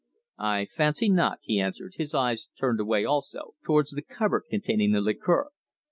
"I fancy not," he answered, his eyes turned away also towards the cupboard containing the liqueur.